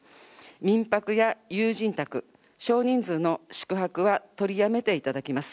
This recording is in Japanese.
民泊や友人宅、少人数の宿泊は取りやめていただきます。